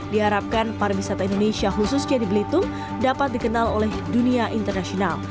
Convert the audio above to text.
diharapkan pariwisata indonesia khususnya di belitung dapat dikenal oleh dunia internasional